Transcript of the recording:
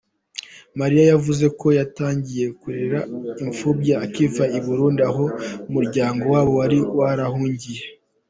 Mariya yavuze ko yatangiye kurera imfubyi akiva i Burundi aho umuryango wabo wari warahungiye.